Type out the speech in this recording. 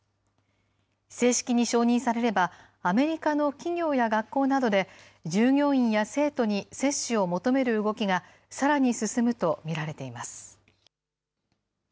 正式に承認されれば、アメリカの企業や学校などで、従業員や生徒に接種を求める動きが、さらに進むと見られています。